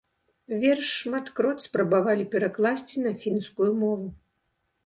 Верш шматкроць спрабавалі перакласці на фінскую мову.